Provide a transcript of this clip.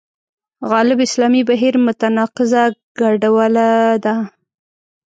غالب اسلامي بهیر متناقضه ګډوله ده.